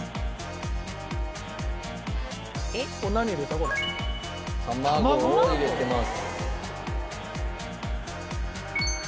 これ」「卵を入れてます」